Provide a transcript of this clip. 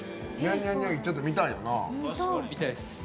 ちょっと見たいよな。